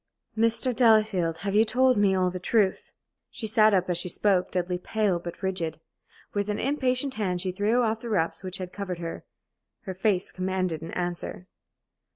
"Mr. Delafield, have you told me all the truth?" She sat up as she spoke, deadly pale but rigid. With an impatient hand she threw off the wraps which had covered her. Her face commanded an answer.